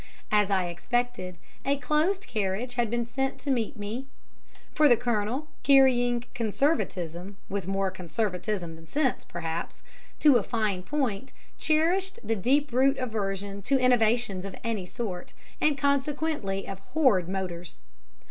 As I expected, a closed carriage had been sent to meet me; for the Colonel, carrying conservatism with more conservatism than sense, perhaps to a fine point, cherished a deep rooted aversion to innovations of any sort, and consequently abhorred motors.